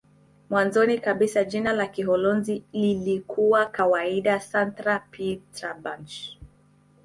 Mwanzoni kabisa jina la Kiholanzi lilikuwa kawaida "Sankt-Pieterburch".